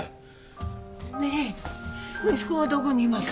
ねえ息子はどこにいます？